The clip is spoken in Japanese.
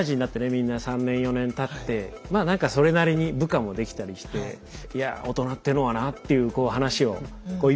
みんな３年４年たってまあなんかそれなりに部下もできたりして「いや大人っていうのはな」っていう話をいっぱいされるので。